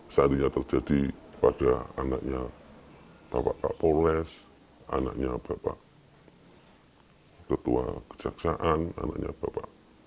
salingnya terjadi pada anaknya bapak bapak polres anaknya bapak hai ketua kejaksaan anaknya bapak